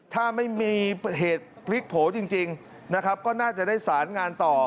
ถ้าไม่มีเหตุพลิกโผล่จริงนะครับก็น่าจะได้สารงานต่อ